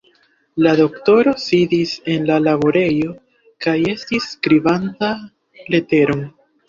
La doktoro sidis en la laborejo kaj estis skribanta leteron.